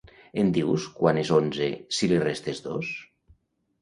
Em dius quant és onze si li restes dos?